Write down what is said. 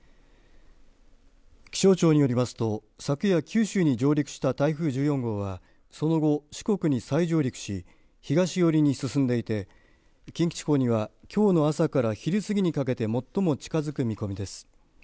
気象庁によりますと昨夜九州に上陸した台風１４号はその後、四国に再上陸し東寄りに進んでいて近畿地方にはきょうの朝から昼過ぎにかけて最も近づく見込みです。